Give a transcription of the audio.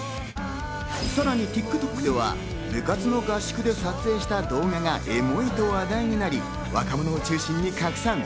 さらにＴｉｋＴｏｋでは部活の合宿で撮影した動画がエモいと話題になり、若者を中心に拡散。